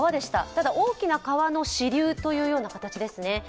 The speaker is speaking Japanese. ただ、大きな川の支流というような形ですね。